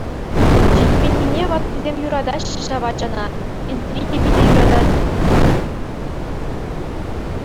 Ҫитменнине, ваттисем юратаҫҫӗ ҫав ачана, Энтри те питӗ юратать.